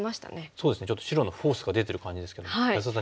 そうですねちょっと白のフォースが出てる感じですけども安田さん